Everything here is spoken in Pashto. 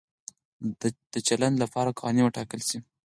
د چلند لپاره قوانین وټاکل شي.